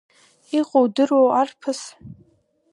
Иҟоу удыруоу, арԥыс…